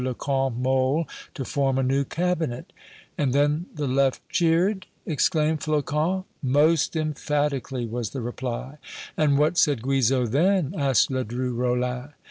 le Comte Mole to form a new cabinet." "And then the left cheered?" exclaimed Flocon. "Most emphatically," was the reply. "And what said Guizot then?" asked Ledru Rollin.